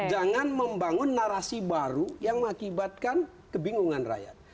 jangan membangun narasi baru yang mengakibatkan kebingungan rakyat